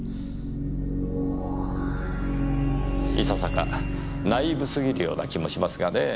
いささかナイーブすぎるような気もしますがねぇ。